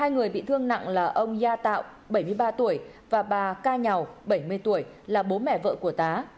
hai người bị thương nặng là ông ya tạo bảy mươi ba tuổi và bà ca nhào bảy mươi tuổi là bố mẹ vợ của tá